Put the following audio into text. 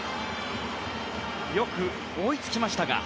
よく追いつきましたが。